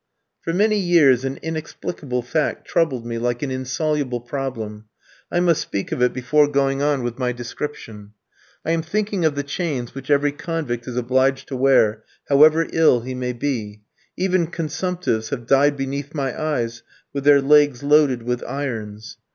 For many years an inexplicable fact troubled me like an insoluble problem. I must speak of it before going on with my description. I am thinking of the chains which every convict is obliged to wear, however ill he may be; even consumptives have died beneath my eyes with their legs loaded with irons.